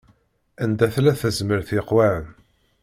Anda tella tezmert yeqwan.